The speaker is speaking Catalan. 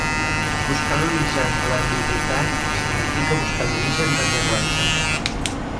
Buscar l'origen de l'ambigüitat significa buscar l'origen del llenguatge.